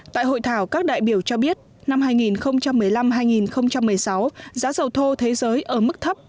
tại hội thảo các đại biểu cho biết năm hai nghìn một mươi năm hai nghìn một mươi sáu giá dầu thô thế giới ở mức thấp